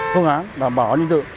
phương án đảm bảo an ninh tự